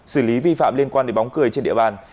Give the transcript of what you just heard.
xử lý vi phạm liên quan đến bóng cười trên địa bàn